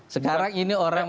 sekarang ini orang